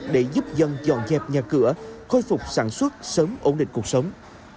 để giúp dân dọn dẹp nhà cửa khôi phục sản xuất sớm ổn định cuộc sống